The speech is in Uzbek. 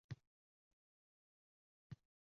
biroq unda gap Djosg haqida ketmaydi.